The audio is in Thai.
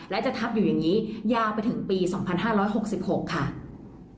และจะทับอยู่อย่างนี้ยาวไปถึงปีสองพันห้าร้อยหกสิบหกค่ะ